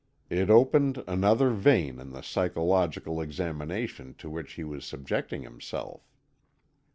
It opened another vein in the psychological examination to which he was subjecting himself.